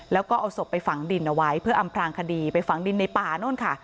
แล้วก็เอาศพไปฝังดินเอาไว้เพื่ออำพลางคดีไปฝังดินในป่านู่นค่ะ